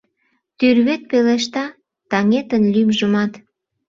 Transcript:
Тӱрвет пелешта таҥетын лӱмжымат.